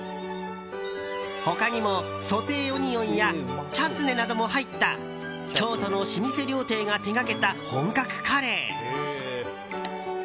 他にもソテーオニオンやチャツネなども入った京都の老舗料亭が手掛けた本格カレー。